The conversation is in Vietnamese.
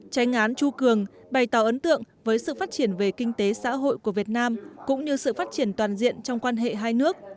tranh án chu cường bày tỏ ấn tượng với sự phát triển về kinh tế xã hội của việt nam cũng như sự phát triển toàn diện trong quan hệ hai nước